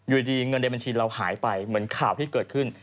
อยู่ดีเงินในบัญชีเราหายไปเหมือนข่าวที่เกิดขึ้น